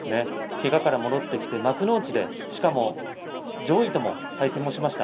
けがから戻ってきて幕内でしかも上位とも対戦しました。